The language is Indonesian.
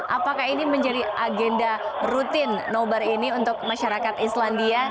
apakah ini menjadi agenda rutin nobar ini untuk masyarakat islandia